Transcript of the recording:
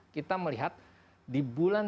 kita melihat di bulan